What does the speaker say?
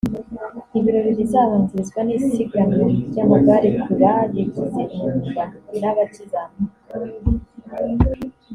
Ibirori bizabanzirizwa n’isiganwa ry’amagare ku babigize umwuga n’abakizamuka